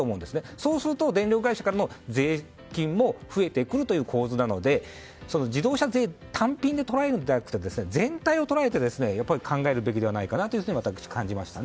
そうすると電力会社からの税金も増えてくるという構図なので自動車税単品で捉えるんじゃなくて全体を捉えて考えるべきかなと感じました。